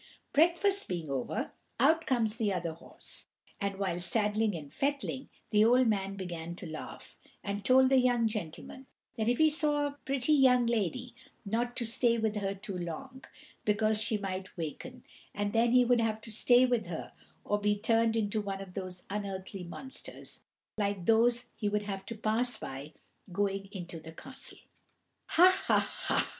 Breakfast being over, out comes the other horse, and, while saddling and fettling, the old man began to laugh, and told the young gentleman that if he saw a pretty young lady, not to stay with her too long, because she might waken, and then he would have to stay with her or to be turned into one of those unearthly monsters, like those he would have to pass by going into the castle. "Ha! ha! ha!